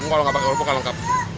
ini kalau nggak pakai kerupuk kan lengkap